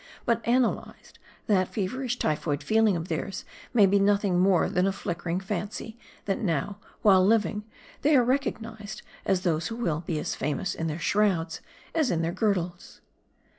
But analyzed, that feverish ty phoid feeling of theirs may be nothing more than a flicker ing fancy, that now, while living, they are recognized as those who will be as famous in their shrouds, as in their girdles."